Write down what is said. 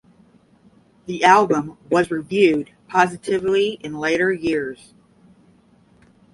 The album was reviewed positively in later years.